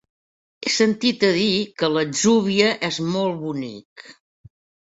He sentit a dir que l'Atzúbia és molt bonic.